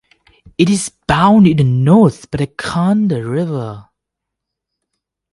It is bound in the north by the Khanda river.